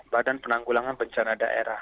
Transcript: badan penanggulangan bencana daerah